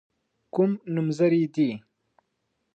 کوم نومځري دي.